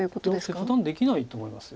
いや切断できないと思います。